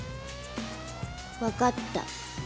分かった。